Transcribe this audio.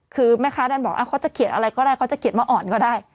คือแม่ค้าดันบอกเขาจะเขียนอะไรก็ได้เขาจะเขียนมาอ่อนก็ได้